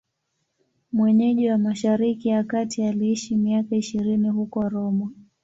Mwenyeji wa Mashariki ya Kati, aliishi miaka ishirini huko Roma.